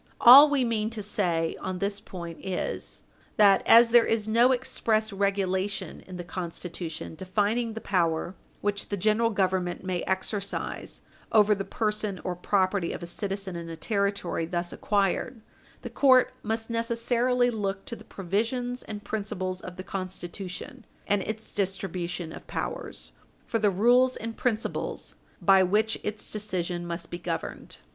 All we mean to say on this point is that, as there is no express regulation in the Constitution defining the power which the General Government may exercise over the person or property of a citizen in a Territory thus acquired, the court must necessarily look to the provisions and principles of the Constitution and its distribution of powers for the rules and principles by which its decision must be governed.